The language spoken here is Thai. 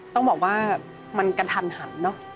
ต้องบอกว่ามันกระทันหันเนอะ